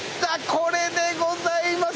これでございます。